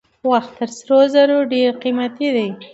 وخت تر سرو زرو ډېر قیمتي دی.